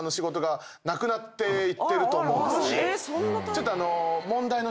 ちょっと。